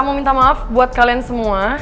saya mau minta maaf buat kalian semua